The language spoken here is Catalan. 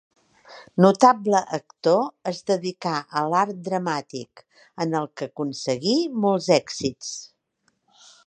Notable actor, es dedicà a l'art dramàtic, en el que aconseguí molts èxits.